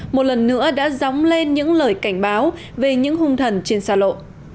một lần nữa đã dóng lên những lời cảnh báo về những hung thần trên xa lộ